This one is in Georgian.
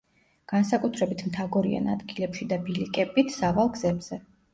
განსაკუთრებით მთაგორიან ადგილებში და ბილიკებით სავალ გზებზე.